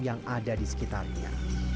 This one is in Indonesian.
yang ada di sekitarnya